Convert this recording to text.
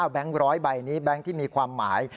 แก๊ง๑๐๐ใบนี้แบงค์ที่มีความหมาย